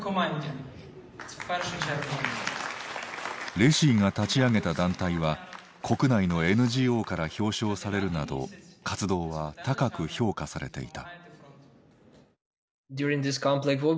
レシィが立ち上げた団体は国内のＮＧＯから表彰されるなど活動は高く評価されていた。